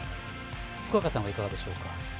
福岡さんはいかがでしょう。